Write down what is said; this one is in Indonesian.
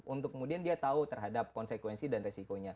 untuk kemudian dia tahu terhadap konsekuensi dan resikonya